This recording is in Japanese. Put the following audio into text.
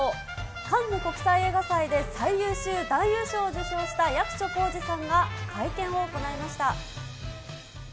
カンヌ国際映画祭で最優秀男優賞を受賞した役所広司さんが、会見を行いました。